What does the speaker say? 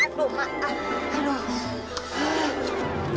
aduh aduh aduh aduh aduh